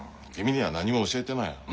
君には何も教えてない。